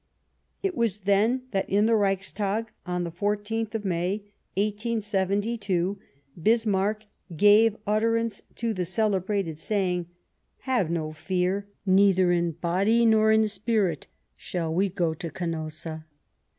It was then that in the Reichstag on the 14th of May, 1872, Bismarck gave utterance to the cele brated saying :" Have no fear ; neither in body nor in spirit shall we go to Canossa."